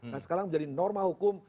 nah sekarang menjadi norma hukum